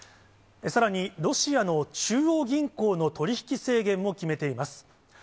さらに、ロシアの中央銀行の取り引き制限も決めています。